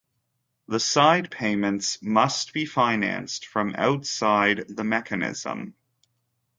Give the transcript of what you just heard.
The side payments must be financed from outside the mechanism.